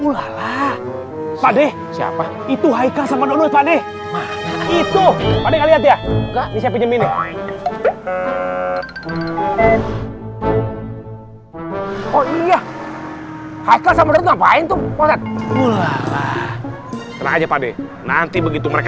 sampai jumpa di video selanjutnya